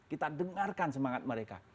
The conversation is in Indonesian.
kita dengarkan semangat mereka